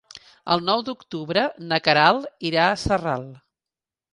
El nou d'octubre na Queralt irà a Sarral.